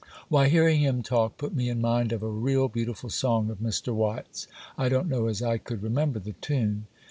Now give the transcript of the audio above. Why, hearing him talk put me in mind of a real beautiful song of Mr. Watts,—I don't know as I could remember the tune.